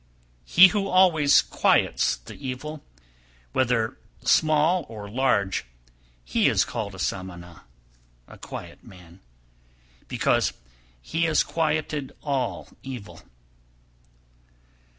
265. He who always quiets the evil, whether small or large, he is called a Samana (a quiet man), because he has quieted all evil.